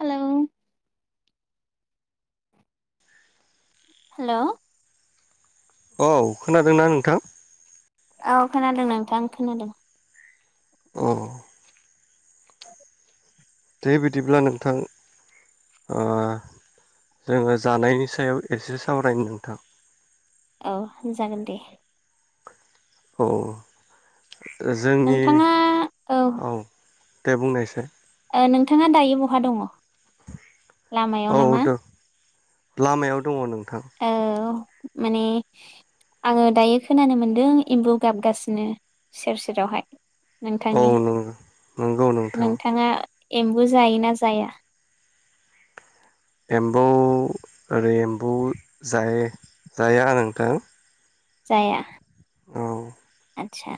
Hello hello औ खोनादोंना नोंथां औ खोनादों नोंथां खोनादों अ दे ओ बिदिब्ला नोंथां ओ जोङो जानायनि सायाव एसे सावरायनो नोंथां औ जागोन दे अ नोंथाङा औ दे बुंनायसाय ओ नोंथाङा दायो बहा दङ लामायाव औ नामा दे लामायाव दङ नोंथां औ माने आङो दायो खोनानो मोनदों एम्बु गाबगासिनो सेर सेरावहाय औ नोंथांनि नंगौ नंगौ नोंथां नोंथाङा एम्बु जायोना जाया एम्बौ ओरै एम्बौ जा-जाया नोंथां जाया औ आतसा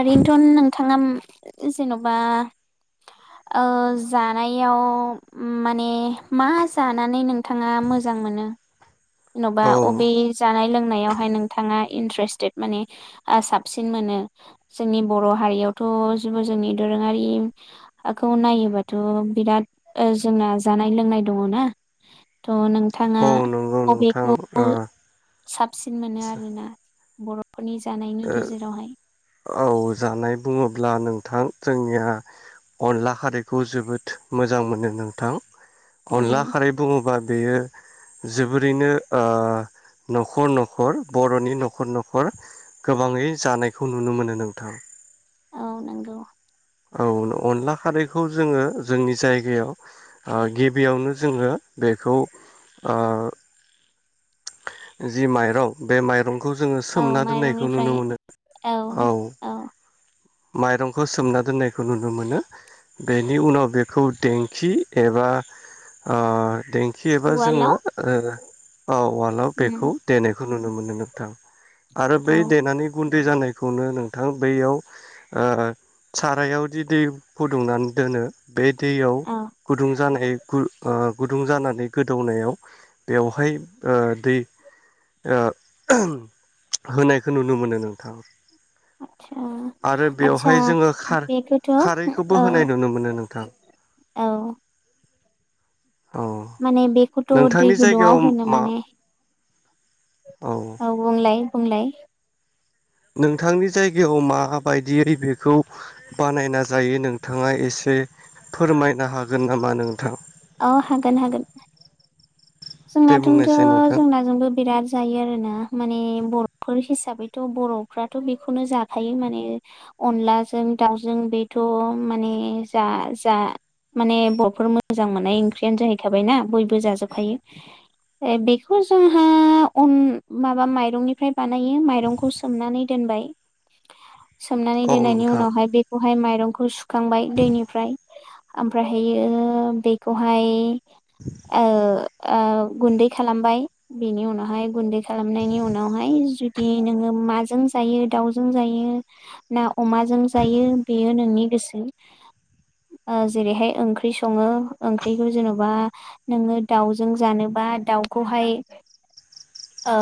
ओरैनोथ' नोंथाङा जेन'बा ओ जानायाव माने मा जानानै नों थाङा मोजां मोनो जेन'बा औ बबे जानाय लोंनायावहाय नोंथाङा इन्ट्रेस्टेद माने ओ साबसिन मोनो जोंनि बर' हारियावथ' जेबो जोंनि दोरोङारिखौ नायोबाथ' बिराद ओ जोंना जानाय लोंनाय दङ ना थ' नोंथाङा औ नंगौ नोंथां बबेखौ ओ साबसिन मोनो आरोना बर' ओ औ जानाय बुङोब्ला नों नोंथां जोंनिया अनला खारैखौ जोबोद मोजां मोनो नोंथां अनला उम खारै बुङोबा बेयो जोबोरैनो ओ न'खर न'खर बर'नि न'खर न'खर गोबाङै जानायखौ नुनो मोनो नोंथां । औ नंगौ औ अनला खारैखौ जोङो जोंनि जायगायाव ओ गिबियावनो जोङो बेखौ ओ जि माइरं बे माइरं खौ जोङो औ सोमना दोन्नायखौ माइरंनिफ्राय नुनो मोनो औ माइरंखौ सोमना दोननायखौ नुनो मोनो बेनि उनाव बेखौ देंखि एबा ओ देंखि खि एबा जोङो उवालाव ओ [inaudible] औ उवालाव बेखौ उम दोन बेखौ नुनो मोनो नोंथां । आरो बै औ देनानै गुन्दै जानायखौ खौनो नोंथां बैयाव ओ सारायाव जि दै फुदुंनानै दोनो । बे दैयाव औ गुदुं जानाय खुर ओ गुदुं जानानै गोदौनायाव बेवहाय ओ दै ओ होनायखौ नुनो मोनो नोंथां । अ आरो बेवहाय जोङो बेखौथ' औ खार-खारैखौबो होनाय नुनो मोनो नोंथां । औ औ माने बेखौथ' दै नोंथांनि जायगायाव गुदुआव होनो मा माने औ बुंलाय बुंलाय नोंथांनि जायगायाव माबायदियै बेखौ बानायना जायो नोंथाङा एसे फोरमायनो हागोन नामा नोंथां । अ हागोन हागोन दे जोंनाथ'थ' बुंनायसै नोंथां जोंनाजोंबो बिराद जायो आरोना माने बर'फोर हिसाबैथ' बर'फ्राथ' बेखौनो जाखायो माने अनलाजों दाउजों बेथ' माने जा जा माने बर'फोर [inaudible] मोजां मोननाय जाहैखायना बयबो जाजोबायो बेखो जोङो अन माबा माइरंनिफ्राय बा नायो माइरंखौ सोमनानै दोनबाय सोमनानै औ दोननायनि नोंथां उनावहाय बेखौ हाय माइरंखौ सु खांबाय दैनिफ्राय ओमफ्रायहायो बेखौहाय आ ओ गुन्दै खालामबाय बिनि उनावहाय गुन्दै खालामनायनि उनावहाय ज दि नोङो माजों जायो दाउजों जायो ना अमाजों जायो बेयो नोंनि गोसो ओ जेरैहाय ओंख्रि सङो ओंख्रिखौ जेन'बा नोङो दाउजों जानोबा दाउखौहाय ओ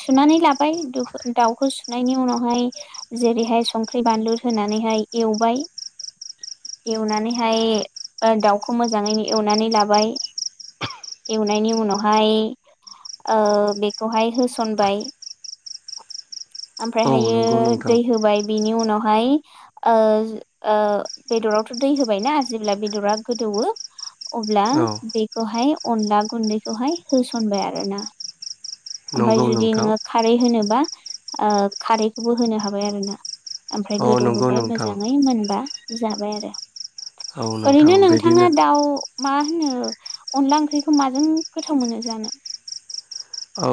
सुनानै लाबो बाय ओमफ्राय दाउखौ सु सुनायनि उनावहाय जेरैहाय संख्रि बानलु होनानैहाय एवबाय एवनानैहाय ओ दाउ खौ मोजाङै एवनानै लाबाय एवनायनि उनावहाय ओ बेखौहाय होसनबाय औ ओमफ्रायहायो नंगौ नोंथां दै होबाय बिनि उनाव बहाय ओ ओ बेदरावथ' दै होबायनाा जेब्ला बेदरा गोदौवो अब्ला औ बेखौहाय अनला गुन्दैखौहाय होसनबाय आरोना ओमफ्राय नंगौ जुदि नोंथां नोङो खारै होनोब्ला खारैखौबो होनो हाबाय आरोना ओमफ्राय औ नंगौ गोदौहोबाय नोंथां मोजाङै मोनबा जाबाय आरो औ नोंथां बे बिथाङा दाउ मा मा होनो अनला ओंख्रिखौ माजों गोथाव मोनो जानो औ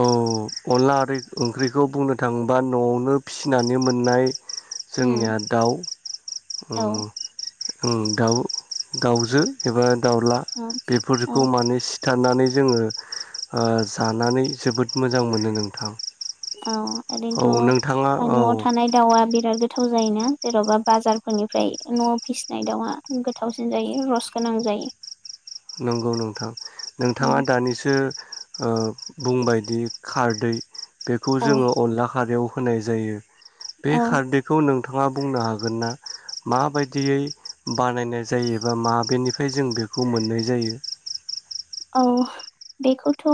अनला ओ ओंख्रिखौ बुंनो थाङोबा न'आवनो फिसिनानै मोननाय उम जोंनिया दाउ औ दाउ दाउजो एबा दाउला औ औ बेफोरखौ माने ओ जोङो जानानै जोबोद मोजां मोनो नोंथां औ औ नोंथाङा ओरैनोथ' न'आव औ थानाय दाउआ बे बिराद गोथाव जायोना जेन'बा बाजारफोरनिफ्राय न' फिसिनाय दाउआ गोथावसिन जायो रस गोनां जायो नंगौ नोंथां नोंथाङा दानिसो बुंबायदि खारदै बेखौ औ जोङो अनला खारैयाव होनाय जायो बे औ खारदैखौ नों नोंथाङा बुंनो हागोन ना माबायदियै बानायनाय जायोबा माबेनिफ्राय जों बेखौ मोन जायो औ बेखौथ'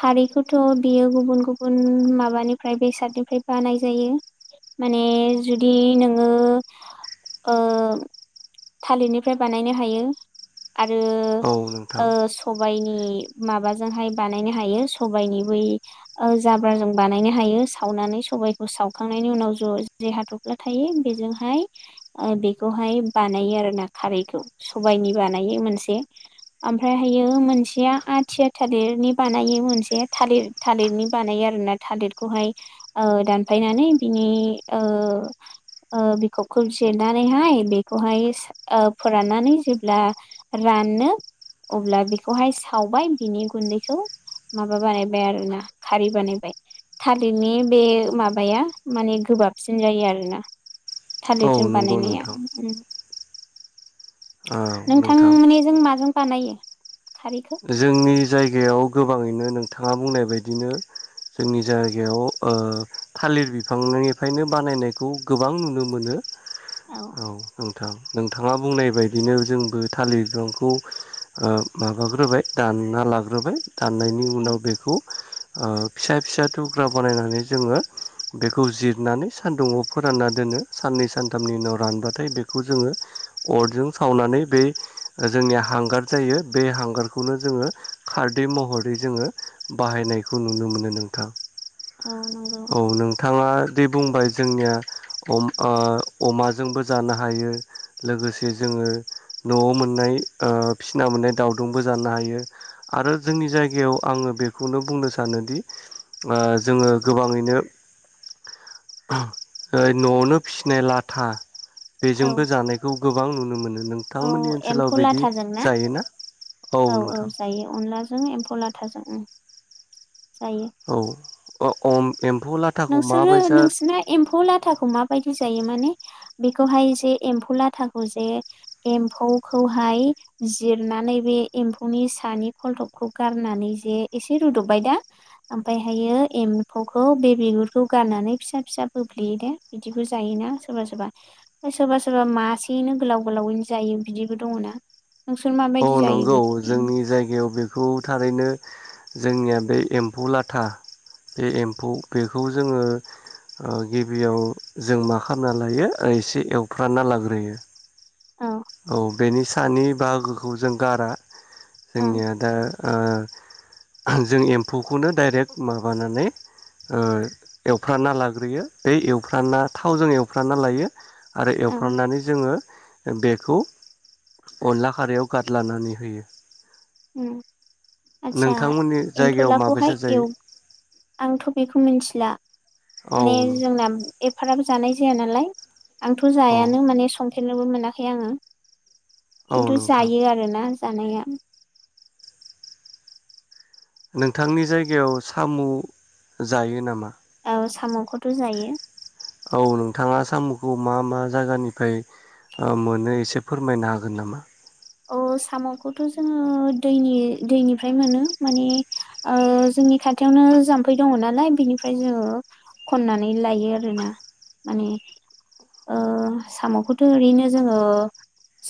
खारैखौथ' बियो गुबुन गुबुन माबानिफ्राय बेसादनिफ्राय बानाय जायो माने जुदि नोङो ओ थालिरनिफ्राय बानायनो हायो आरो औ ओ नोंथां स सबायनि माबाजोंहाय बानायनो हायो सबाइनि बै ओ जाब्राजों बानायनो हायो सावनानै सबाइखौ सावखांनायनि उनाव ज' जे हाथ'फ्ला थायो बेजोंहाय ओ बेखौहाय बानायो आर ना खारैखौ सबायाइनि बानायो मोनसे ओमफ्रायहायो मोनसेया आथिया थालिरनि बानायो मोनसे थालिर थालिरनि बानायो आरोना थालिरखौहाय ओ दानफायनानै बिनि ओ ओ बिखबखौ जिरनानैहाय बेखौहाय ओ फोराननानै जेब्ला रानो अब्ला बेखौहाय सावबाय बिनि गुन्दैखौ माबा बानायबाय आरोना खारै बानायबाय थालिरनि बे माबाया माने गोबाबसिन जायो आरोना औ थालिरजों नंगौ बानायनाया नोंथां नोंथां माने जों माजों बानायो खारैखौ जोंनि जायगायाव गोबाङैनो नोंथाङा बुंनाय बायदिनो जोंनि जायगायाव थालिर बिफांनिफ्रायनो बानायनायखौ गोबां नुनो मोनो औ नोंथां नोंथाङा बुंनाय बायदिनो जोंबो थालिर बिफांखौ ओ माबाग्रोबाय दानि दानना लाग्रोबाय दाननायनि औ उनाव बेखौ ओ फिसा फिसा थुग्रा बानायनानै जोङो बेखौ जिरनानै सानदुंङआव फोरानना दोनो साननै सानथामनि उनाव रानबाथाय बेखौ जोङो अरजों सावनानै बे जोंनिया हांगार जायो बे हांगारखौनो जोङो खारदै महरै जोङो बाहायनायखौ नुनो मोनो नोंथां औ नंगौ औ नोंथाङा दि बुंबाय जोंनिया अम ओ अमाजोंबो जानो हायो लोगोसे जोङो न'आव मोननाय ओ फिसिना मोननाय दाउदोबो जानो हायो आरो जोंनि जायगायाव आङो बेखौनो बुंनो सानोदि ओ जोङो गोबाङैनो न'आवनो फिसिनाय लाथा औ बेजोंबो जानायखौ गोबां नुनो मोनो औ नोंथांमोननि ओनसोलाव एम्फौ बिदि लाथाजों ना जायोना औ नोंथां लाजों एम्फौ लाथाजों उम जायो औ अ अ एम्फौ लाथा नोंसोरो नोंसिरना एम्फौ ला एम्फौ लाथाखौ माबायदि जायो माने बेखौहाय जे एम्फौ लाथाखौ जे एम्फौखौहाय जिरनानै बे एम्फौनि सानि खलदबखौ गारनानै जे एसे रुदबबाय दा ओमफायहायो एम्फौखौ बे बिगुरखौ गारनानै फिसा फिसा बोफ्लेयो दे बिदिबो जायोना सोरबा सोरबा सोरबा सोरबा मासेयैनो गोलाव गोलावैनो जायो बिदिबो दङ ना नोंसोर माबायदि जायो नांगौ बेखौ जोंनि जायगायाव बेखौ थारैनो जोंनिया बे एम्फौ लाथा बे एम्फौ बेखौ जोङो ओ गिबियाव जों मा खालामना लायो एसे एवफ्रानना लाग्रोयो औ औ बेनि सानि बाहागोखौ जों गारा औ जोंनिया दा ओ जों एम्फौखौनो डाइरेक्ट माबानानै ओ एवफ्रानानना लाग्रोयो बे एवफ्राना थावजों एवफ्राना लायो आरो एवफ्रामनानै जोङो बे बेखौ अनला खारायाव गारलानानै होयो उम आदसा नोंथांमोननि जायगायाव माबायसा एनथलाखौहाय जायो एव आंथ' बेखौ मिथिला औ माने नोंथां जोंना ए फाराबो जानाय जाया नालाय आंथ' औ जायानो माने सं फेरनोबो मोनाखै आङो औ खिन्थु नोंथां जायो आरोना जानाया नोंथांनि जायगायाव साम' जायो नामा औ साम'खौथ' जायो औ नोथाङा साम'खौ मा मा जायगानिफ्राय ओ मोनो एसे फोरमायनाय होगोन नामा औ साम'खौथ' जोङो दैनि-दैनिफ्राय मोनो माने ओ जोंनि खाथियावनो जाम्फै दङ नालाय बिनिफ्राय जोङो खननानै लाइयो आरोना माने ओ साम'खौथ' ओरैनो जोङो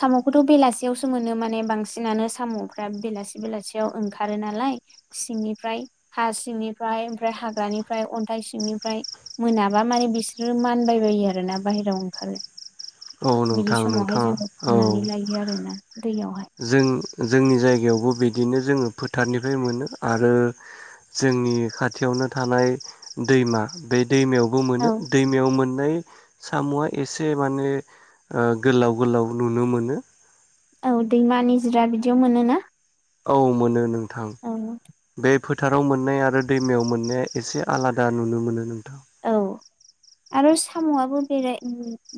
साम'खौथ' बेलासि सियावसो मोनो माने बांसिनानो साम'फ्रा बेलासि बेलासियाव ओंखारो नालाय सिंनिफ्राय हा सिंनिफ्राय ओमफ्राय हाग्रानिफ्राय अन्थाइ सिंनिफ्राय मोनाबा माने बिसोरो मानबाय बायो आरोना बाह्रायाव ओंखारो औ बिदि नोंथां समावहाय नोंथाङा जोङो औ खननानै लाइयो आरोना दैयावहाय जों जोंनि जायगायावबो बिदिनो जोङो फोथारनिफ्राय मोनो आरो जोंनि खाथियावनो थानाय दैमा बे दैमायावबो औ मोनो दैमायाव मोन नै साम'आ एसे माने ओ गोलाव गोलाव नुनो मोनो औ दैमानि निजिरा बिदियाव मोनोना औ मोनो नों थां औ बे फोथाराव मोननाय आरो दैमायाव मोननाया एसे आलादा नुनो मोनो नोंथां औ आरो साम'आबो बेराय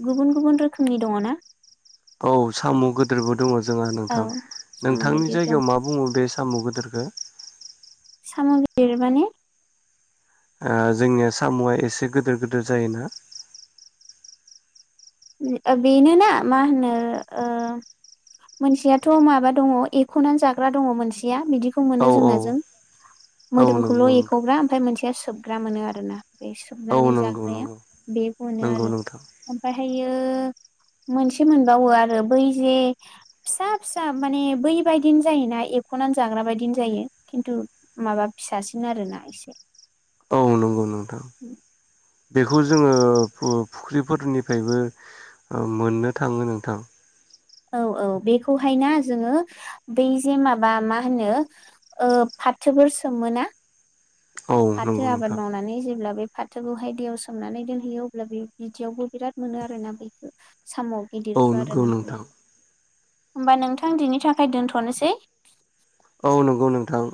गुबुन गुबुन रोखोमनि दङ ना औ साम' गोदोरबो दङ जोंहा औ नोंथां साम' नोंथांनि गिदिर दं जायगायाव मा बुङो बे साम' गोदोरखौ साम' गिदिर माने ओ जोंनि साम'आ एसे गोदोर गोदोर जायोना ओ बेनो ना मा होनो मोनसेयाथ' माबा दङ एख'नानै जाग्रा दङ मोनसेया बिदिखौ औ मोनो औ जोंनाजों औ मोदोमखौल' नंगौ नोंथां एख'ग्रा ओमफ्राय मोनसे सोबग्रा मोनो आरोना बे औ सोबनानै नंगौ जाग्राया नंगौ बेखौनो नंगौ आरो नोंथां ओमफ्राय ओमफ्रायो मोनसे मोनबावो आरो बै जे फिसा फिसा माने बै बायदिनो जायोना एख'नानै जाग्रा बायदिनो जायो खिन्थु माबा फिसासिन आरोना एसे औ नंगौ नोंथां बेखौ जोङो ओ फुख्रिफोरनिफ्रायबो मोननो थाङो नोंथां औ औ बेखौहायना जोङो बै जे माबा मा होनो ओ फाथोफोर सोमो ना औ फाथो नंगौ आबाद नोंथां मावनानै जेब्ला बे फाथोखौहाय दैयाव सोमनानै दोनहैयो अब्ला बे बिदियावबो बिराद मोनो आरोना बेखौ साम' औ गिदिरखौ नंगौ आरोना नोंथां होमबा नोंथां बिनि थाखाय दोनथ'नोसै औ नंगौ नोंथां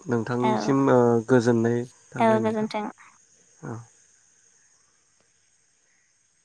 औ नोंथांनिसिम गोजोननाय गोजोननाय औ थाबाय नोंथां गोजोन्थों औ